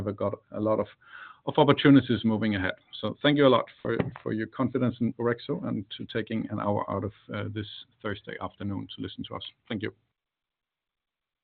I've got a lot of opportunities moving ahead. So thank you a lot for your confidence in Orexo and to taking an hour out of this Thursday afternoon to listen to us. Thank you.